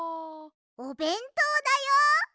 おべんとうだよ！